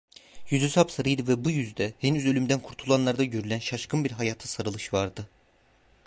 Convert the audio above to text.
Yüzü sapsarıydı ve bu yüzde, henüz ölümden kurtulanlarda görülen şaşkın bir hayata sarılış vardı…